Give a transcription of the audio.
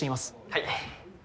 はい。